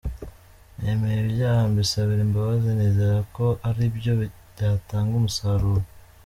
Nemeye ibyaha mbisabira imbabazi nizera ko ari byo byatanga umusaruro!…”